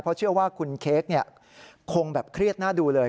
เพราะเชื่อว่าคุณเค้กคงแบบเครียดหน้าดูเลย